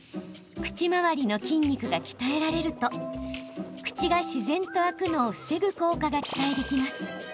口周りの筋肉が鍛えられると口が自然と開くのを防ぐ効果が期待できます。